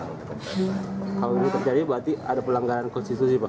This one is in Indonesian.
kalau ini terjadi berarti ada pelanggaran konstitusi pak